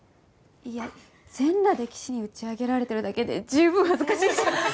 いや全裸で岸に打ち上げられてるだけで十分恥ずかしいし！